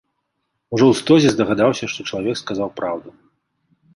Ужо ў стозе здагадаўся, што чалавек сказаў праўду.